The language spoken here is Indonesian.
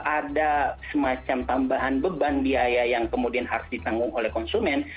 ada semacam tambahan beban biaya yang kemudian harus ditanggung oleh konsumen